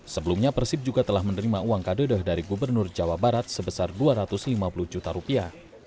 sebelumnya persib juga telah menerima uang kadedah dari gubernur jawa barat sebesar dua ratus lima puluh juta rupiah